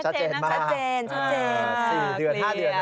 ชัดเจนไหมตอบคำถามชัดเจนหรือเปล่าครับค่ะชัดเจน